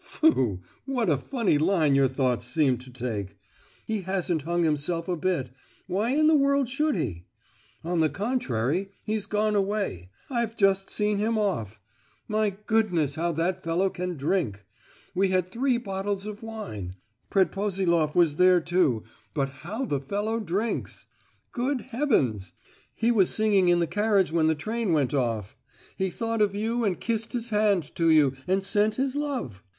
"Tfu! What a funny line your thoughts seem to take. He hasn't hung himself a bit—why in the world should he?—on the contrary, he's gone away. I've just seen him off! My goodness, how that fellow can drink! We had three bottles of wine. Predposiloff was there too—but how the fellow drinks! Good heavens! he was singing in the carriage when the train went off! He thought of you, and kissed his hand to you, and sent his love.